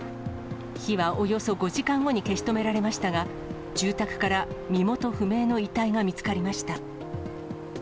火はおよそ５時間後に消し止められましたが、住宅から身元不明の遺体が見つかりました。